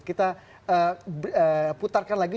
kita putarkan lagi